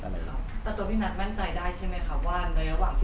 แต่ตัวพี่นัทแม่นใจได้ใช่ไหมครับว่าในระหว่างที่เรามีปัญหาการกำจัดอย่างนี้